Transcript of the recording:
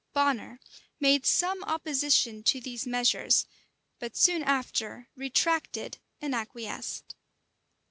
Bonner made some opposition to these measures; but soon after retracted and acquiesced.